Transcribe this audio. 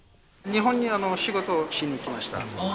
日本に仕事しに来ました。